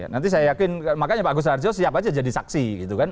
nanti saya yakin makanya pak agus raharjo siap saja jadi saksi